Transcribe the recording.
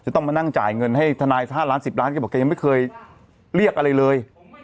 ต้องมานั่งจ่ายเงินให้ทนาย๕ล้าน๑๐ล้านแกบอกแกยังไม่เคยเรียกอะไรเลย